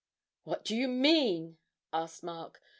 'What do you mean?' asked Mark.